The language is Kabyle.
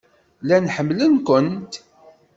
Llan ḥemmlen-kent.